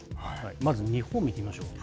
まず、日本を見てみましょう。